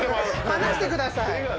離してください。